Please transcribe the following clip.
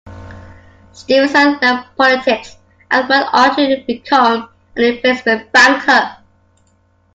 Stevenson left politics and went on to become an investment banker.